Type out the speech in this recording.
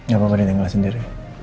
gak apa apa yang tinggal sendiri